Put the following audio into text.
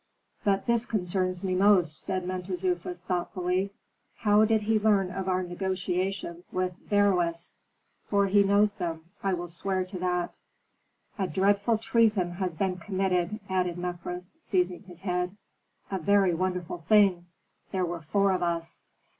"But this concerns me most," said Mentezufis, thoughtfully, "how did he learn of our negotiations with Beroes? for he knows them, I will swear to that." "A dreadful treason has been committed," added Mefres, seizing his head. "A very wonderful thing! There were four of us."